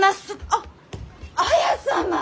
あっ綾様！